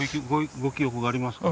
ご記憶がありますか？